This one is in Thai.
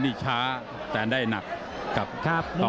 แล้วทีมงานน่าสื่อ